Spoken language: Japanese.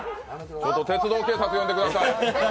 鉄道警察呼んでください！